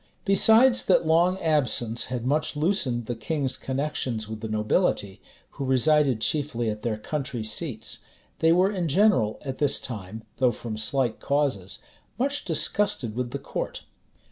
Besides that long absence had much loosened the King's connections with the nobility, who resided chiefly at their country seats, they were in general, at this time, though from slight causes, much disgusted with the court.